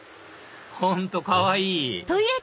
本当かわいい！